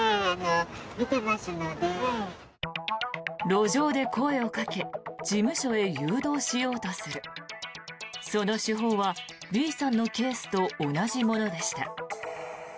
路上で声をかけ事務所へ誘導しようとするその手法はＢさんのケースと同じものでした。